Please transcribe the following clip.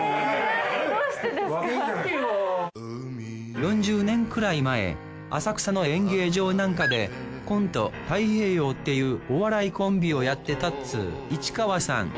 ４０年くらい前浅草の演芸場なんかでコント太平洋っていうお笑いコンビをやってたっつう市川さん。